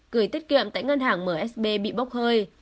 gửi tiết kiệm tại ngân hàng msb bị bốc hơi